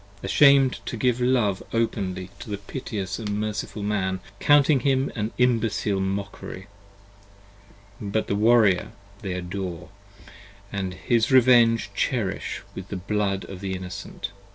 Ashamed to give Love openly to the piteous & merciful Man, 20 Counting him an imbecile mockery: but the Warrior They adore, & his revenge cherish with the blood of the Innocent.